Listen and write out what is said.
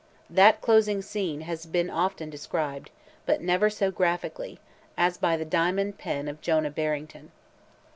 That closing scene has been often described, but never so graphically, as by the diamond pen of Jonah Barrington.